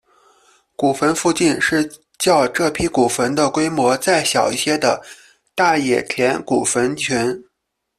古坟附近是较这批古坟的规模再小一些的大野田古坟群。